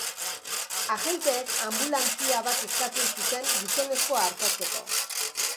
Agenteek anbulantzia bat eskatu zuten gizonezkoa artatzeko.